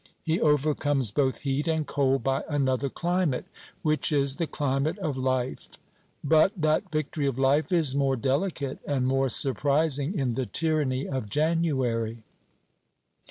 He overcomes both heat and cold by another climate, which is the climate of life; but that victory of life is more delicate and more surprising in the tyranny of January.